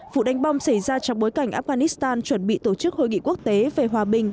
vụ đánh bom xảy ra trong bối cảnh afghanistan chuẩn bị tổ chức hội nghị quốc tế về hòa bình